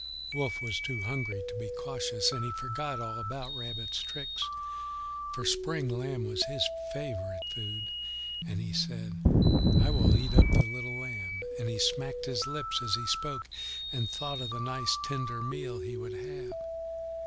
Wolf was too hungry to be cautious, and he forgot all about Rabbit's tricks, for spring lamb was his favourite food. And he said, "I will eat up the little lamb," and he smacked his lips as he spoke, and thought of the nice tender meal he would have.